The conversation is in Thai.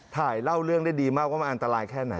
เล่าเรื่องได้ดีมากว่ามันอันตรายแค่ไหน